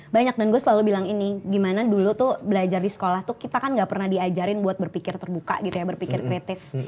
banyak dan gue selalu bilang ini gimana dulu tuh belajar di sekolah tuh kita kan gak pernah diajarin buat berpikir terbuka gitu ya berpikir kritis